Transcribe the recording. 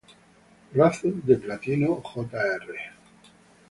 Brazo de Platino, Jr.